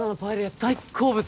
大好物